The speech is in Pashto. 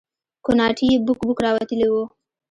کوناټي يې بوک بوک راوتلي وو.